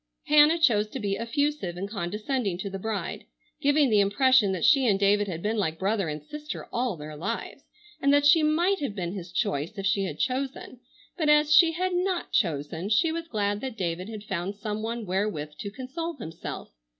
Hannah chose to be effusive and condescending to the bride, giving the impression that she and David had been like brother and sister all their lives and that she might have been his choice if she had chosen, but as she had not chosen, she was glad that David had found some one wherewith to console himself.